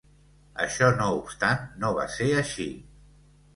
Això no obstant, no va ser així.